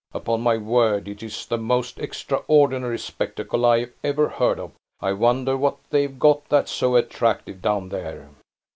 Upon my word, it is the most extraordinary spectacle I ever heard of. I wonder what they've got that's so attractive down there?"